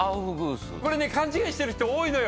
これね勘違いしてる人多いのよ。